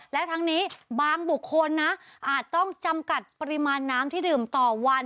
และทั้งนี้บางบุคคลนะอาจต้องจำกัดปริมาณน้ำที่ดื่มต่อวัน